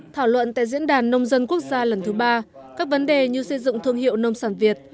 thảo luận tại diễn đàn nông dân quốc gia lần thứ ba các vấn đề như xây dựng thương hiệu nông sản việt